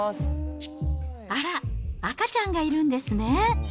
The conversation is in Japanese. あら、赤ちゃんがいるんですね。